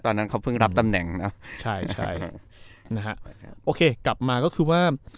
ตอนนั้นเขาเพิ่งรับตำแหน่งนะใช่ใช่นะฮะโอเคกลับมาก็คือว่า